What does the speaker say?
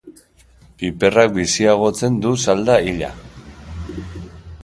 Piperrak biziagotzen du salda hila.